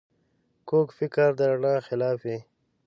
کوږ فکر د رڼا خلاف وي